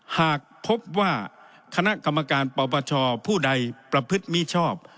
หากพบว่าคณะกรรมการปปชผู้ใดประพฤติมิชอบ